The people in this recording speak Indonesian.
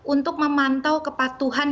untuk memantau kepatuhan